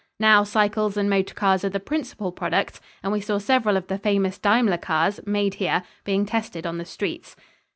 Now cycles and motor cars are the principal products; and we saw several of the famous Daimler cars, made here, being tested on the streets.